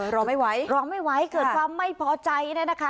รอไม่ไหวรอไม่ไหวเกิดความไม่พอใจเนี่ยนะคะ